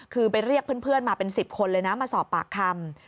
คือไปเรียกเพื่อนมาเป็น๑๐คนเลยนะมาสอบปากคำ